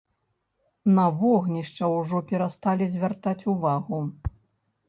На вогнішча ўжо перасталі звяртаць увагу.